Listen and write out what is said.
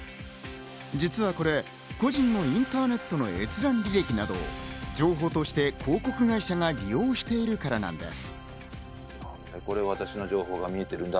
実はこれ、個人のインターネットの閲覧履歴などを情報として広告会社が利用しているからなんです。